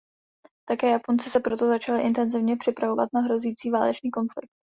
Také Japonci se proto začali intenzivně připravovat na hrozící válečný konflikt.